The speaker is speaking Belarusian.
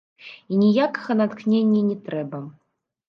І ніякага натхнення не трэба.